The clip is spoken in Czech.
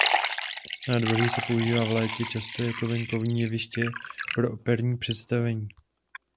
Nádvoří se používá v létě často jako venkovní jeviště pro operní představení.